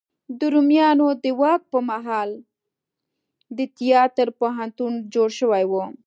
د رومیانو د واک په مهال هم د تیاتر پوهنتون جوړ شوی و.